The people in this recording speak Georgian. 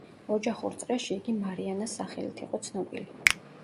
ოჯახურ წრეში იგი „მარიანას“ სახელით იყო ცნობილი.